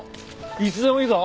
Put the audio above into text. いつでもいいぞ。